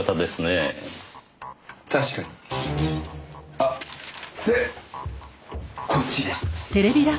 あっでこっちです。